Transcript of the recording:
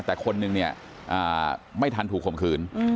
แต่คนนึงเนี่ยไม่ทันถูกข่มขืน